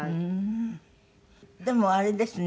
でもあれですね